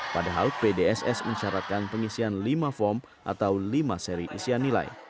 padahal pdss mencaratkan pengisian lima form atau lima seri isian nilai